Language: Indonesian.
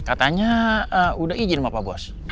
katanya udah izin sama pak bos